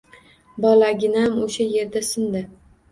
Bolaginam o`sha erda sindi